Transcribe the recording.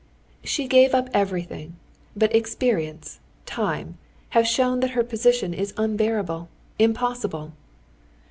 She gave up everything. But experience, time, have shown that her position is unbearable, impossible."